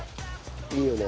いいよね。